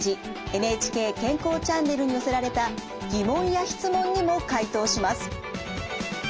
「ＮＨＫ健康チャンネル」に寄せられた疑問や質問にも回答します。